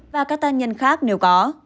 và các tác nhân khác nếu có